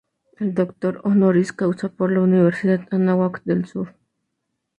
Es doctor "honoris causa" por la Universidad Anáhuac del Sur.